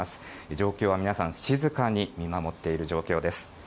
状況を皆さん静かに見守っている状況です。